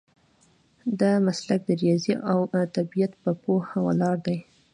دا مسلک د ریاضي او طبیعت په پوهه ولاړ دی.